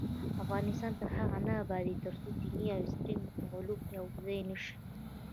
افغانستان تر هغو نه ابادیږي، ترڅو دیني او عصري علوم یو ځای نشي.